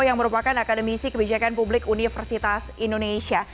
yang merupakan akademisi kebijakan publik universitas indonesia